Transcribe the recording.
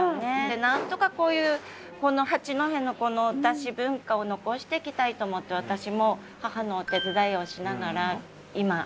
でなんとかこういうこの八戸のこのダシ文化を残していきたいと思って私も母のお手伝いをしながら今立ってるんですね。